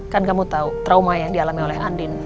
kan kamu tahu trauma yang dialami oleh andin